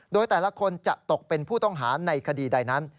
โดยแต่ละคนจะตกเป็นผู้ต้องหาในคดีใดนั้น